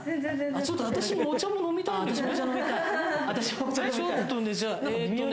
ちょっと私もお茶も飲みたいのよね。